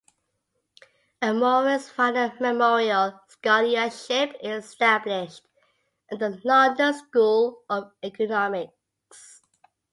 A Morris Finer Memorial Scholarship is established at the London School of Economics.